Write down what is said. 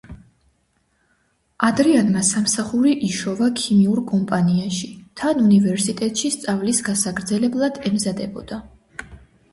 ადრიანმა სამსახური იშოვა ქიმიურ კომპანიაში, თან უნივერსიტეტში სწავლის გასაგრძელებლად ემზადებოდა.